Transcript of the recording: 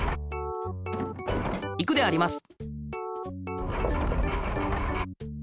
いくであります！